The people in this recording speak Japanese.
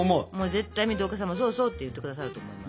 絶対水戸岡さんも「そうそう」って言って下さると思います。